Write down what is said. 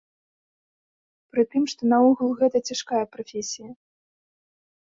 Прытым, што наогул гэта цяжкая прафесія.